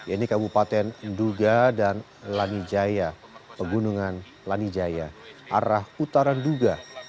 ini kabupaten nduga dan lanijaya pegunungan lanijaya arah utara nduga